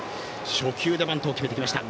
初球でバントを決めてきました。